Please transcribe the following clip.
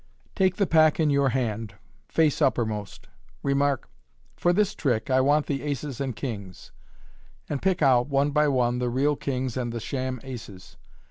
Take the pack in your hand, face uppermost. Remark, " For this trick I want the aces and kings," and pick out, one by one, the real kings and the sham aces.